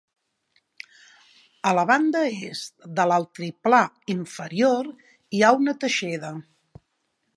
A la banda est de l'altiplà inferior hi ha una teixeda.